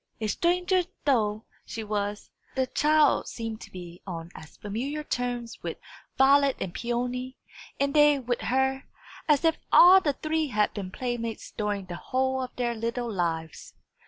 A stranger though she was, the child seemed to be on as familiar terms with Violet and Peony, and they with her, as if all the three had been playmates during the whole of their little lives.